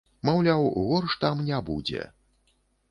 Маўляў, горш там не будзе.